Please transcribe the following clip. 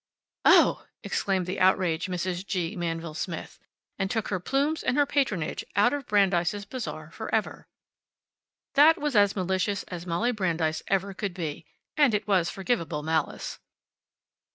"Oh!" exclaimed the outraged Mrs. G. Manville Smith. And took her plumes and her patronage out of Brandeis' Bazaar forever. That was as malicious as Molly Brandeis ever could be. And it was forgivable malice.